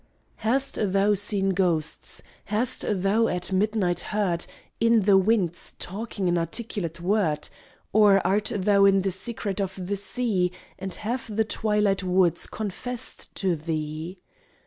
Hast thou seen ghosts? Hast thou at midnight heard In the wind's talking an articulate word? Or art thou in the secret of the sea, And have the twilight woods confessed to thee?